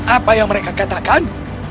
apa yang mereka katakan